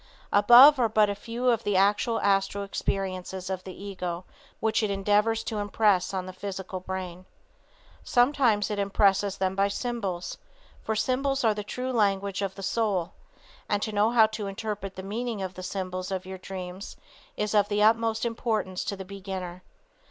Above are but a few of the actual astral experiences of the ego which it endeavors to impress on the physical brain. Sometimes it impresses them by symbols, for symbols are the true language of the soul, and to know how to interpret the meaning of the symbols of your dreams is of the utmost importance to the beginner.